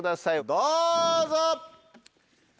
どうぞ！